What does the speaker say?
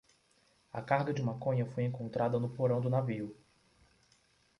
A carga de maconha foi encontrada no porão do navio